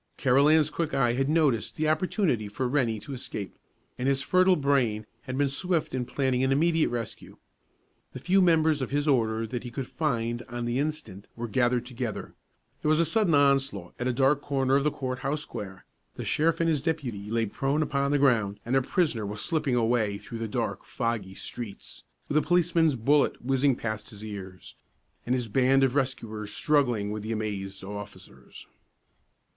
Carolan's quick eye had noticed the opportunity for Rennie to escape, and his fertile brain had been swift in planning an immediate rescue. The few members of his order that he could find on the instant were gathered together; there was a sudden onslaught at a dark corner of the Court House Square; the sheriff and his deputy lay prone upon the ground, and their prisoner was slipping away through the dark, foggy streets, with a policeman's bullet whizzing past his ears, and his band of rescuers struggling with the amazed officers.